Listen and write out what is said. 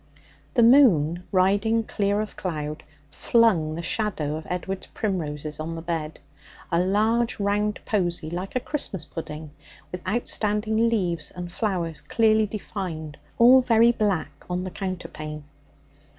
The moon, riding clear of cloud, flung the shadow of Edward's primroses on the bed a large round posy like a Christmas pudding with outstanding leaves and flowers clearly defined, all very black on the counterpane.